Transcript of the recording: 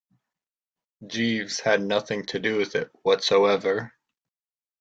Jeeves had nothing to do with it whatsoever.